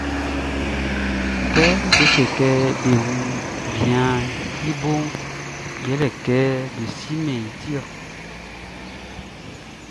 Kɛ be se kɛ be wun bianʼn, i boʼn yɛle kɛ be simɛn i.